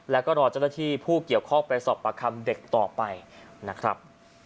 แล้วก็รอเจ้าหน้าที่ผู้เกี่ยวข้องไปสอบประคำเด็กต่อไปนะครับ